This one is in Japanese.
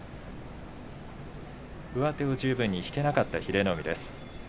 上手を十分に引けなかった英乃海。